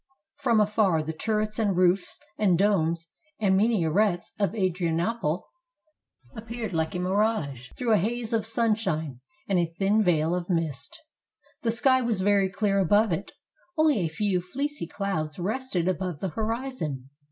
From afar the turrets and roofs and domes and mina rets of Adrianople appeared like a mirage through a haze of sunshine and a thin veil of mist. The sky was very clear above it. Only a few fleecy clouds rested above the horizon.